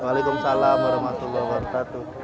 waalaikumsalam warahmatullahi wabarakatuh